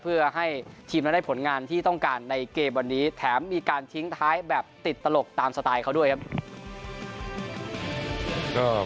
เพื่อให้ทีมนั้นได้ผลงานที่ต้องการในเกมวันนี้แถมมีการทิ้งท้ายแบบติดตลกตามสไตล์เขาด้วยครับ